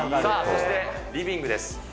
そして、リビングです。